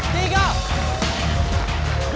tiga dua satu